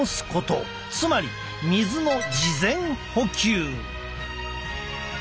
つまり水の事前補給。